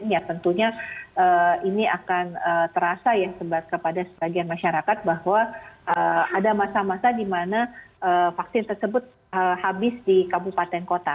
ya tentunya ini akan terasa ya kepada sebagian masyarakat bahwa ada masa masa di mana vaksin tersebut habis di kabupaten kota